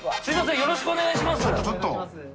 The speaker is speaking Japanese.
よろしくお願いします。